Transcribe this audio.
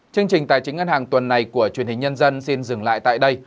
chương trình tài chính ngân hàng tuần này của truyền hình nhân dân xin dừng lại tại đây